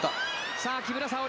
さあ木村沙織。